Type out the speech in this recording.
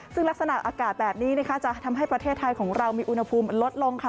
ซึ่งลักษณะอากาศแบบนี้นะคะจะทำให้ประเทศไทยของเรามีอุณหภูมิลดลงค่ะ